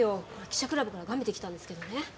記者クラブからガメてきたんですけどね。